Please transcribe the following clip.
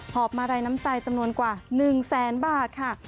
อบมาลัยน้ำใจจำนวนกว่า๑แสนบาทค่ะ